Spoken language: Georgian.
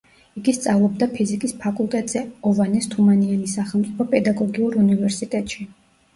იგი სწავლობდა ფიზიკის ფაკულტეტზე, ოვანეს თუმანიანის სახელმწიფო პედაგოგიურ უნივერსიტეტში.